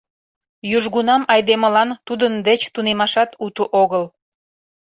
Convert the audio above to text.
«Южгунам айдемылан тудын деч тунемашат уто огыл.